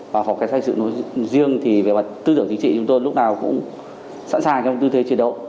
và phòng kết thúc sự nối riêng thì tư tưởng chính trị chúng tôi lúc nào cũng sẵn sàng trong tư thế chiến đấu